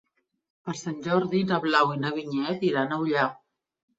Per Sant Jordi na Blau i na Vinyet iran a Ullà.